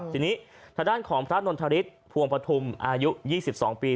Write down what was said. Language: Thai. ทีนี้ทางด้านของพระนวลธริตภวงพระธุมอายุ๒๒ปี